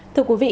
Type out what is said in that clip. thưa quý vị